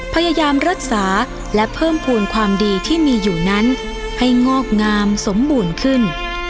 พยายามรักษาและเพิ่มภูมิความดีที่มีอยู่นั้นให้งอกงามสมบูรณ์ขึ้น